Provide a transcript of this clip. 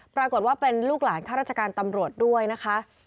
ปรากฏว่าเป็นลูกหลานข้าราชการตำรวจด้วยนะคะ